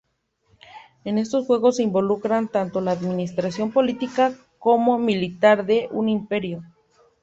En estos juegos se involucra tanto la administración política como militar de un imperio.